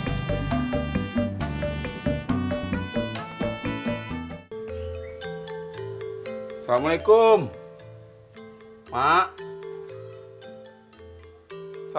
persyarat ini hatinya